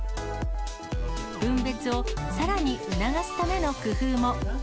分別をさらに促すための工夫も。